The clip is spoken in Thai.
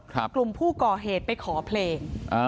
กลุ่มผู้ก่อเหตุไปขอเพลง